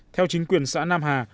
theo chính quyền xã nam hà